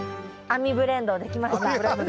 亜美ブレンドできました！